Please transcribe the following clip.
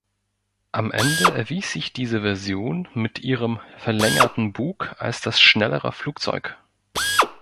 Am Ende erwies sich diese Version mit ihrem verlängerten Bug als das schnellere Flugzeug.